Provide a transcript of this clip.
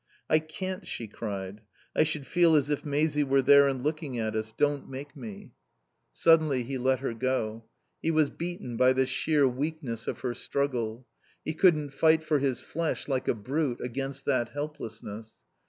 "I can't," she cried. "I should feel as if Maisie were there and looking at us.... Don't make me." Suddenly he let her go. He was beaten by the sheer weakness of her struggle. He couldn't fight for his flesh, like a brute, against that helplessness.